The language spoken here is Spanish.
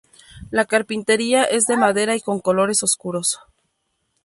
La carpintería es de madera y con colores oscuros.